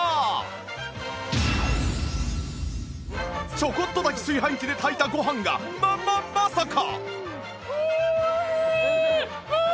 ちょこっと炊き炊飯器で炊いたご飯がまままさか！